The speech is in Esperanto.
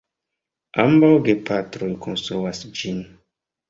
Ambaŭ gepatroj konstruas ĝin.